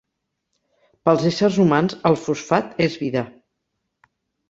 Pels éssers humans el fosfat és vida.